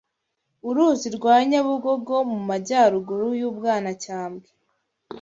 uruzi rwa Nyabugogo mu majyaruguru y’u Bwanacyambwe